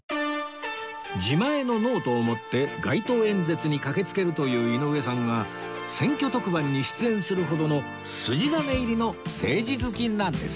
自前のノートを持って街頭演説に駆けつけるという井上さんは選挙特番に出演するほどの筋金入りの政治好きなんです